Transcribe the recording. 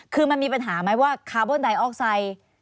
คือมันมีปัญหาไหมว่าคาร์บอนไดออกไซด์